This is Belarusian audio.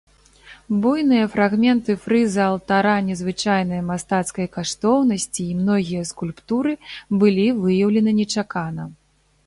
Буйныя фрагменты фрыза алтара незвычайнай мастацкай каштоўнасці і многія скульптуры былі выяўлены нечакана.